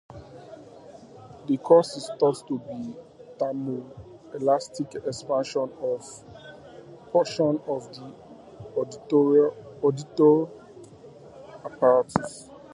The cause is thought to be thermoelastic expansion of portions of the auditory apparatus.